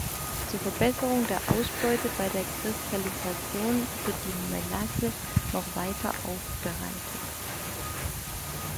Zur Verbesserung der Ausbeute bei der Kristallisation wird die Melasse noch weiter aufbereitet.